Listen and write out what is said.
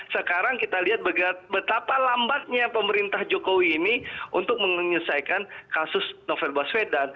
sekarang kita lihat betapa lambatnya pemerintah jokowi ini untuk menyelesaikan kasus novel baswedan